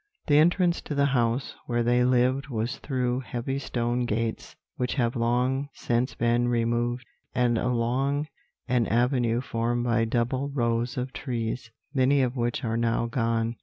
"The entrance to the house where they lived was through heavy stone gates, which have long since been removed; and along an avenue formed by double rows of trees, many of which are now gone.